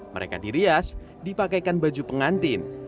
mereka dirias dipakaikan baju pengantin